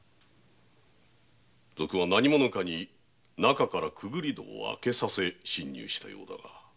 賊は何者かに中から潜り戸を開けさせ侵入したようだが。